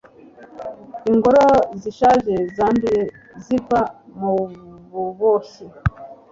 ingoro zishaje zanduye ziva mububoshyi